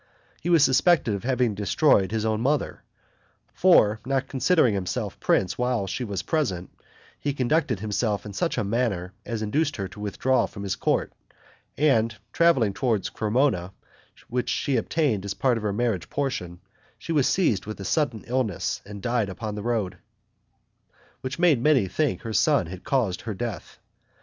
He was suspected of having destroyed his own mother; for, not considering himself prince while she was present, he conducted himself in such a manner as induced her to withdraw from his court, and, travelling toward Cremona, which she obtained as part of her marriage portion, she was seized with a sudden illness, and died upon the road; which made many think her son had caused her death.